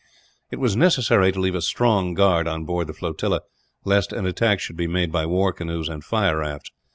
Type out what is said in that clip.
It was necessary to leave a strong guard on board the flotilla, lest an attack should be made by war canoes and fire rafts.